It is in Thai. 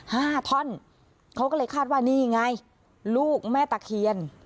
ห้าท่อนเขาก็เลยคาดว่านี่ไงลูกแม่ตะเคียน